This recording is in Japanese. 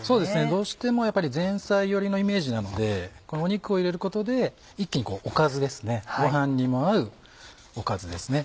どうしてもやっぱり前菜寄りのイメージなので肉を入れることで一気におかずご飯にも合うおかずですね。